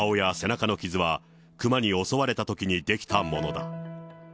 顔や背中の傷は、クマに襲われたときに出来たものだ。